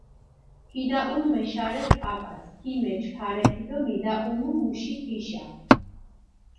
ქიდაჸუნჷ მეშარექ პაპას, ქიმეჩჷ ფარეფი დო მიდაჸუნუ მუში თიშა.